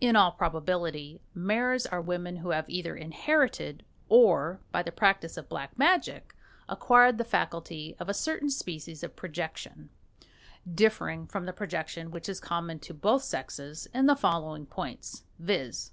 In all probability maras are women who have either inherited or, by the practice of Black Magic, acquired the faculty of a certain species of projection differing from the projection which is common to both sexes in the following points, viz.